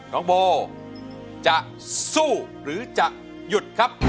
น้องโบจะสู้หรือจะหยุดครับ